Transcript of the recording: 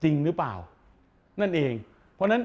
จริงหรือเปล่า